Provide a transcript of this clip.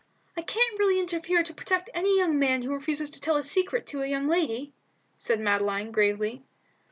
"I can't really interfere to protect any young man who refuses to tell a secret to a young lady," said Madeline, gravely.